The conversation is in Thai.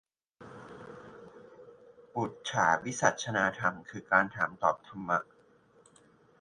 ปุจฉาวิสัชนาธรรม คือการถามตอบธรรมะ